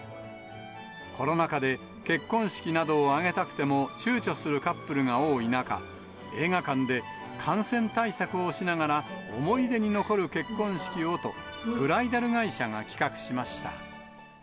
コロナ禍で結婚式などを挙げたくてもちゅうちょするカップルが多い中、映画館で感染対策をしながら、思い出に残る結婚式をと、ブライダル会社が企画しました。